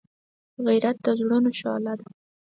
غیرت د زړونو شعله ده